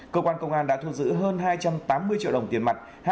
cơ quan công an đã thu giữ hơn hai trăm tám mươi triệu đồng tiền mặt